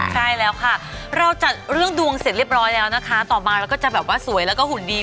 ใช่แล้วค่ะเราจัดเรื่องดวงเสร็จเรียบร้อยแล้วนะคะต่อมาเราก็จะแบบว่าสวยแล้วก็หุ่นดี